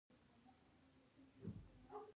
دغه څو جملې یې له هغه تورن څخه زده کړې وې.